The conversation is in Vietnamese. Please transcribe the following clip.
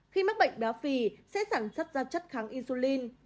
khi mắc bệnh béo phì sẽ sản xuất ra chất kháng insulin